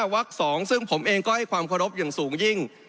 วัก๒ซึ่งผมเองก็ให้ความเคารพอย่างสูงยิ่ง